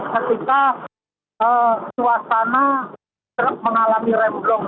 ketika suasana truk mengalami remblong